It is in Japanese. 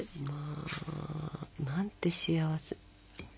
まあなんて幸せ。